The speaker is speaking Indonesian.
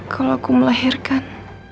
kalau aku melahirkan